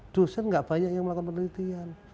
dosen gak banyak yang melakukan penelitian